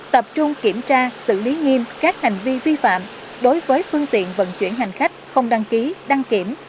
tập trung kiểm tra xử lý nghiêm các hành vi vi phạm đối với phương tiện vận chuyển hành khách không đăng ký đăng kiểm